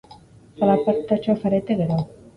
Zalapartatsuak zarete, gero.